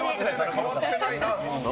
変わってないな。